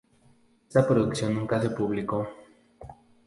Esa traducción nunca se publicó.